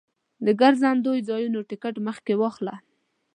د ګرځندوی ځایونو ټکټ مخکې واخله.